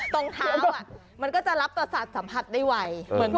ตรงเท้ามันก็จะรับประสาทสัมผัสได้ไว